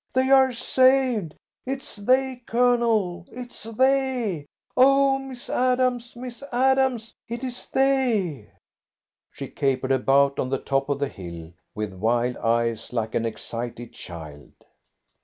"They are saved! It's they, Colonel, it's they! Oh, Miss Adams, Miss Adams, it is they!" She capered about on the top of the hill with wild eyes like an excited child.